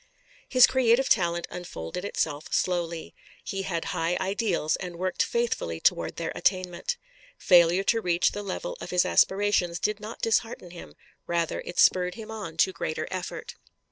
His creative talent unfolded itself slowly. He had high ideals and worked faithfully toward their attainment. Failure to reach the level of his aspirations did not dishearten him; rather it spurred him on to greater effort.